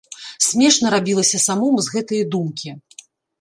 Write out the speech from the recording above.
Смешна рабілася самому з гэтае думкі.